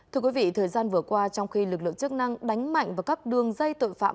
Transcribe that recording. thưa quý vị thời gian vừa qua trong khi lực lượng chức năng đánh mạnh vào các đường dây tội phạm